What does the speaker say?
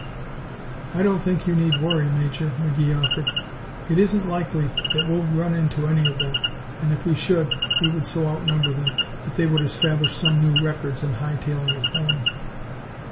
"I don't think you need worry, Major," McGee offered. "It isn't likely that we will run into any of them, and if we should we would so outnumber them that they would establish some new records in high tailing it home."